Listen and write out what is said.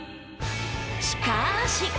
［しかーし！